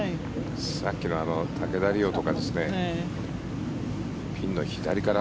さっきの竹田麗央とかピンの左から。